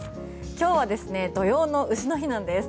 今日は土用の丑の日です。